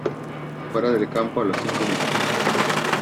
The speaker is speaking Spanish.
Fuera del campo a los cinco minutos.